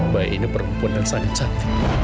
bayi ini perempuan yang sangat cantik